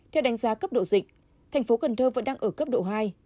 theo đánh giá cấp độ dịch thành phố cần thơ vẫn đang ở cấp độ hai